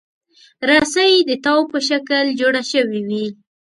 رسۍ د تاو په شکل جوړه شوې وي.